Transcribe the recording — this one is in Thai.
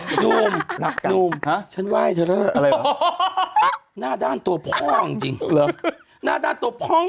นุ่มหนักนุ่มฉันไหว้เธอแล้วอะไรวะหน้าด้านตัวพ่อจริงเหรอหน้าด้านตัวพ่อง